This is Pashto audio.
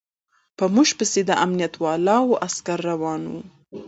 په موږ پسې د امنيت والاو عسکر روان و.